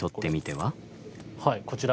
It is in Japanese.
はいこちら。